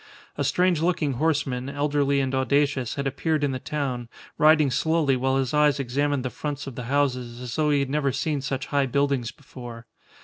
A strange looking horseman, elderly and audacious, had appeared in the town, riding slowly while his eyes examined the fronts of the houses, as though he had never seen such high buildings before.